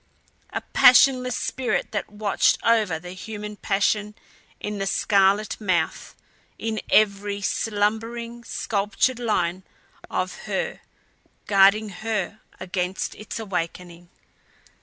A passionless spirit that watched over the human passion in the scarlet mouth, in every slumbering, sculptured line of her guarding her against its awakening.